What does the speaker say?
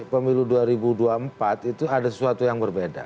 pemilu dua ribu dua puluh empat itu ada sesuatu yang berbeda